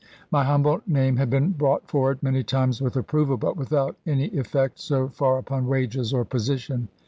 My humble name had been brought forward many times with approval, but without any effect so far upon wages or position.